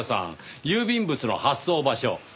郵便物の発送場所。